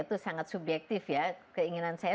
itu sangat subjektif ya keinginan saya